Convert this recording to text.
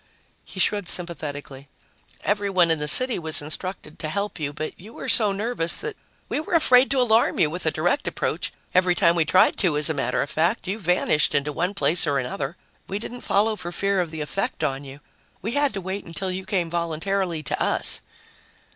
He shrugged sympathetically. "Everyone in the city was instructed to help you, but you were so nervous that we were afraid to alarm you with a direct approach. Every time we tried to, as a matter of fact, you vanished into one place or another. We didn't follow for fear of the effect on you. We had to wait until you came voluntarily to us."